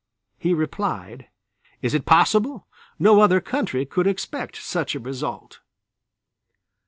He replied: "Is it possible! No other country could expect such a result."